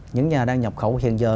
những nhà đang nhập khẩu hiện giờ